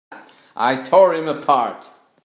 I tore him apart!